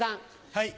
はい。